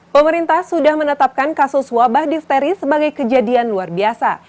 pemerintah sudah menetapkan kasus wabah difteri sebagai kejadian luar biasa